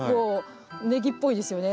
ネギっぽいですよね。